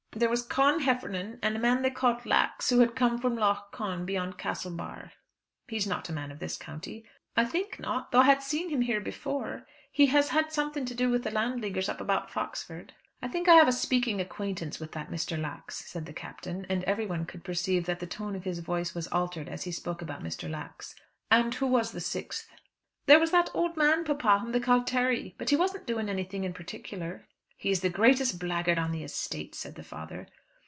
"There was Con Heffernan, and a man they call Lax, who had come from Lough Conn beyond Castlebar." "He's not a man of this county." "I think not, though I had seen him here before. He has had something to do with the Landleaguers up about Foxford." "I think I have a speaking acquaintance with that Mr. Lax," said the Captain; and everybody could perceive that the tone of his voice was altered as he spoke about Mr. Lax. "And who was the sixth?" "There was that old man, papa, whom they call Terry. But he wasn't doing anything in particular." "He is the greatest blackguard on the estate," said the father.